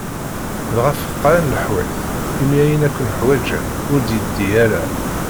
Dγa feqqeεen leḥwat imi ayen akken ḥwağen, ur d-yeddi ara.